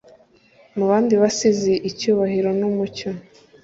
mu bandi basizi icyubahiro n'umucyo